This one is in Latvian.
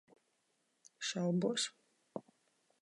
Šaubos.